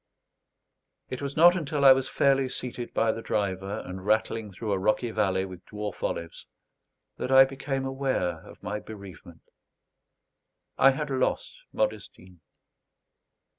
It was not until I was fairly seated by the driver, and rattling through a rocky valley with dwarf olives, that I became aware of my bereavement. I had lost Modestine.